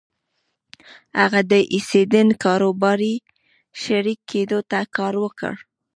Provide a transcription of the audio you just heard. هغه د ايډېسن کاروباري شريک کېدو ته کار وکړ.